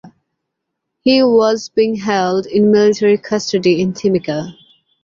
He was being held in military custody in Timika.